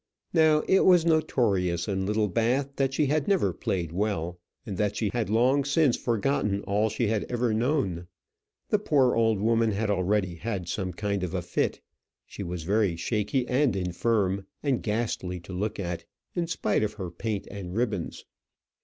Now it was notorious in Littlebath that she had never played well, and that she had long since forgotten all she had ever known. The poor old woman had already had some kind of a fit; she was very shaky and infirm, and ghastly to look at, in spite of her paint and ribbons.